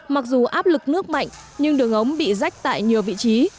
mặc dù áp lực nước mạnh nhưng đường ống bị rách tại nhiều vị trí